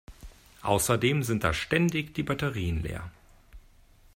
Außerdem sind da ständig die Batterien leer.